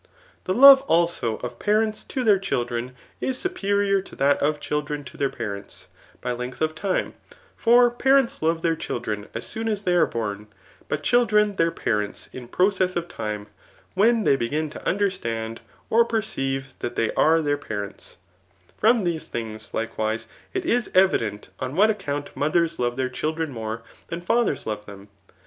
The love also of parents to their children is supmor to that of children to their parents, by length of time ; for parents love their children as soon as they are bom ; but children their parents in process of time, when they begin to imderstand or perceive that they are their parents* From these things, likewise, it is evident on what account mothers love their chHdran more [than fathers love diem3.